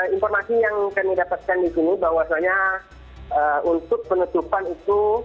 informasi yang kami dapatkan di sini bahwasannya untuk penutupan itu